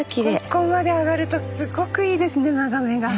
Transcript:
ここまで上がるとすごくいいですね眺めが。